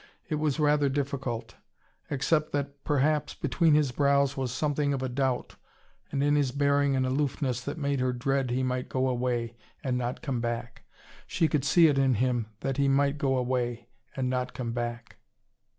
It was rather difficult. Except that, perhaps, between his brows was something of a doubt, and in his bearing an aloofness that made her dread he might go away and not come back. She could see it in him, that he might go away and not come back.